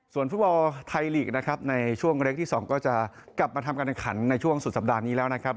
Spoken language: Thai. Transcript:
ส่วนฟุตบอลไทยลีกนะครับในช่วงเล็กที่๒ก็จะกลับมาทำการแข่งขันในช่วงสุดสัปดาห์นี้แล้วนะครับ